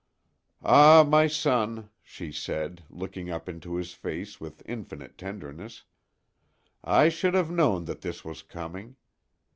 "Ah, my son," she said, looking up into his face with infinite tenderness, "I should have known that this was coming.